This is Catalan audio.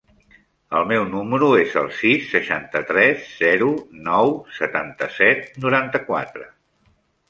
El meu número es el sis, seixanta-tres, zero, nou, setanta-set, noranta-quatre.